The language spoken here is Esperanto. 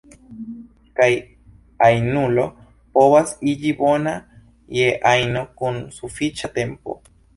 Kaj ajnulo povas iĝi bona je ajno kun sufiĉa tempo.